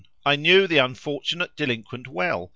"I knew the unfortunate delinquent well.